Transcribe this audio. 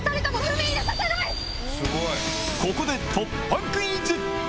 ここで突破クイズ！